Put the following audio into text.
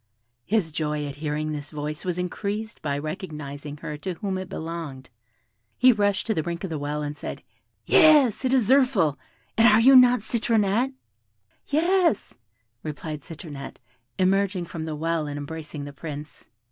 His joy at hearing this voice was increased by recognising her to whom it belonged. He rushed to the brink of the well, and said, "Yes, it is Zirphil. And are you not Citronette?" "Yes," replied Citronette, emerging from the well, and embracing the Prince.